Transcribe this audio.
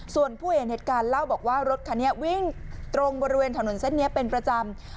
ส่วนผู้เห็นเหตุการณ์เล่าบอกว่ารถคันนี้วิ่งตรงบริเวณถนนเส้นนี้เป็นประจำ